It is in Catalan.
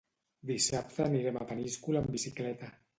Dissabte anirem a Peníscola amb bicicleta.